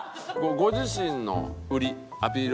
ご自身の売りアピール